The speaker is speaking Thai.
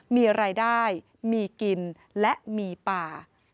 มีอะไรได้มีกลิ่นและมีป่า